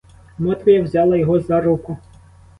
Мотря взяла його за руку.